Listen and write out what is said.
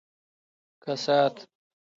کسات